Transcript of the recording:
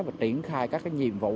và triển khai các nhiệm vụ